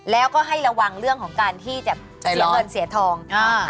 แล้วก็ให้ระวังเรื่องของการที่จะเสียเงินเสียทอง